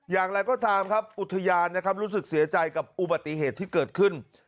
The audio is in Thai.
อย่างไรก็ตามครับอุทยานนะครับรู้สึกเสียใจกับอุบัติเหตุที่เกิดขึ้น